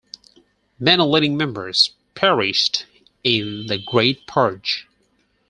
Many leading members perished in the Great Purge.